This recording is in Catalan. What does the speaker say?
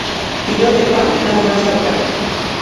Qui no té pa n'ha d'anar a cercar.